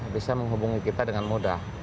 bisa menghubungi kita dengan mudah